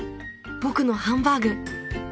僕のハンバーグ。